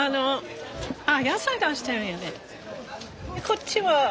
こっちは？